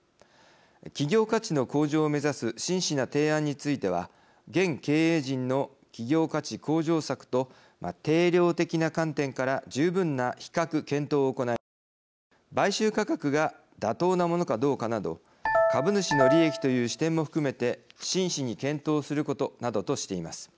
企業価値の向上を目指す真摯な提案については現経営陣の企業価値向上策と定量的な観点から十分な比較検討を行い買収価格が妥当なものかどうかなど株主の利益という視点も含めて真摯に検討することなどとしています。